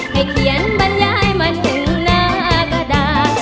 ให้เขียนบรรยายมันถึงนากระดาษ